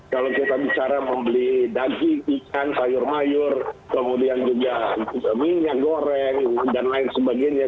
kalau kita bicara membeli daging ikan sayur mayur kemudian juga minyak goreng dan lain sebagainya